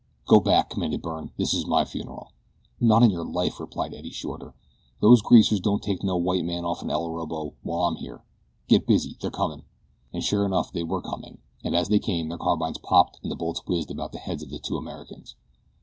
"Go back," commanded Byrne; "this is my funeral." "Not on your life," replied Eddie Shorter. "Those greasers don't take no white man off'n El Orobo, while I'm here. Get busy! They're comin'." And sure enough they were coming, and as they came their carbines popped and the bullets whizzed about the heads of the two Americans.